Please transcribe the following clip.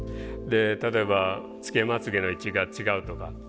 例えばつけまつげの位置が違うとか。